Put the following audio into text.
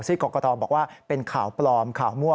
ซึ่งกรกตบอกว่าเป็นข่าวปลอมข่าวมั่ว